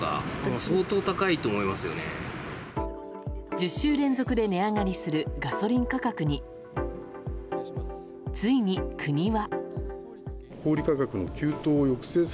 １０週連続で値上がりするガソリン価格についに、国は。